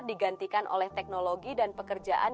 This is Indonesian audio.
digantikan oleh teknologi dan pekerjaan